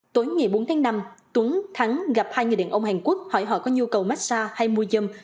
tối ngày bốn tháng năm tuấn thắng gặp hai người điện ông hàn quốc hỏi họ có nhu cầu massage hay mua dâm